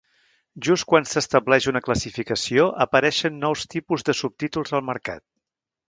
Just quan s'estableix una classificació apareixen nous tipus de subtítols al mercat.